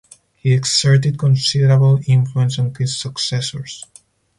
He exerted considerable influence on his successors.